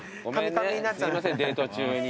すいませんデート中に。